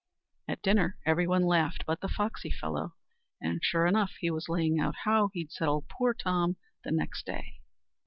At dinner every one laughed but the foxy fellow; and sure enough he was laying out how he'd settle poor Tom next day.